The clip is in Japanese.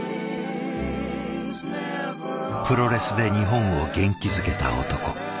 プロレスで日本を元気づけた男。